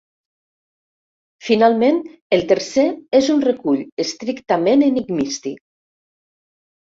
Finalment, el tercer és un recull estrictament enigmístic.